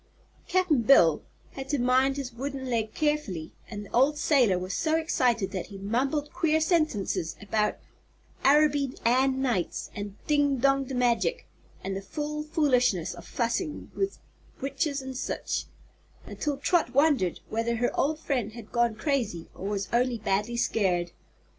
Cap'n Bill had to mind his wooden leg carefully and the old sailor was so excited that he mumbled queer sentences about "Araby Ann Knights," and "ding donged magic" and the "fool foolishness of fussin' with witches an' sich," until Trot wondered whether her old friend had gone crazy or was only badly scared.